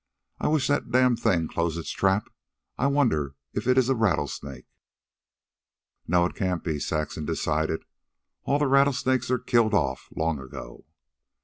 I wish that damned thing'd close its trap. I wonder if it is a rattlesnake." "No; it can't be," Saxon decided. "All the rattlesnakes are killed off long ago."